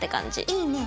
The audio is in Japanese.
いいね。